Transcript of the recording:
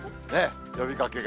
呼びかけが。